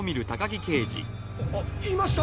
あっいました。